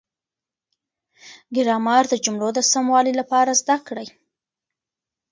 ګرامر د جملو د سموالي لپاره زده کړئ.